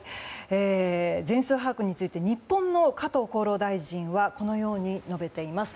全数把握について日本の加藤厚労大臣はこのように述べています。